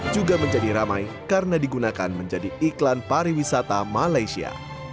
juga menjadi ramai karena digunakan menjadi iklan pariwisata malaysia